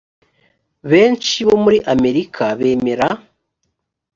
benshi bo muri amerika bemera